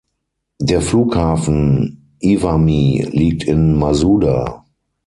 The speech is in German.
Der Flughafen Iwami liegt in Masuda.